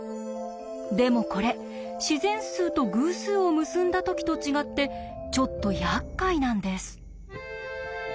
でもこれ自然数と偶数を結んだ時と違ってちょっとやっかいなんです。